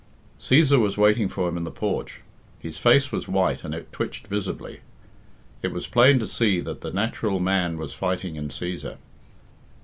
Cæsar was waiting for him in the porch. His face was white, and it twitched visibly. It was plain to see that the natural man was fighting in Cæsar.